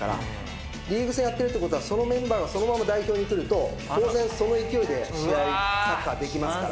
リーグ戦やってるってことはそのメンバーがそのまま代表に来ると当然その勢いでサッカーできますから。